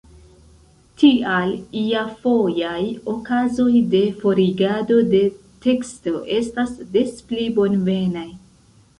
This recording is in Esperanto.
Tial iafojaj okazoj de forigado de teksto estas des pli bonvenaj.